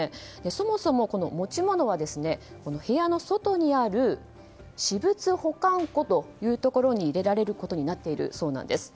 そもそも持ち物は部屋の外にある私物保管庫というところに入れられることになっているそうです。